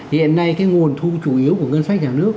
hiện nay cái nguồn thu chủ yếu của ngân sách nhà nước